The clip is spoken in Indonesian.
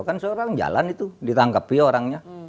kan seorang jalan itu ditangkapi orangnya